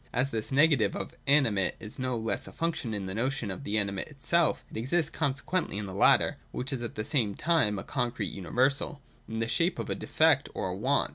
As this negative of the animate is no less a function in the notion of the animate itself, it exists consequently in the latter (which is at the same time a concrete universal) in the shape of a defect or want.